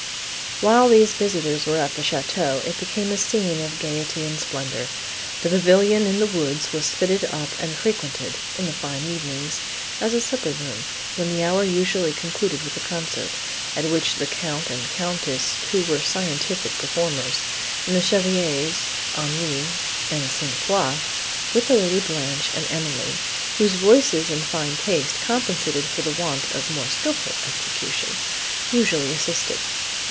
While these visitors were at the château, it became a scene of gaiety and splendour. The pavilion in the woods was fitted up and frequented, in the fine evenings, as a supper room, when the hour usually concluded with a concert, at which the Count and Countess, who were scientific performers, and the Chevaliers Henri and St. Foix, with the Lady Blanche and Emily, whose voices and fine taste compensated for the want of more skilful execution, usually assisted.